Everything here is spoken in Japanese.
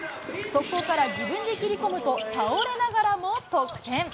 速攻から自分で切り込むと倒れながらも得点。